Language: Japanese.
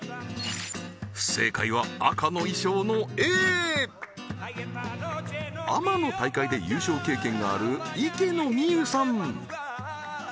不正解は赤の衣装のＡアマの大会で優勝経験がある池野美結さん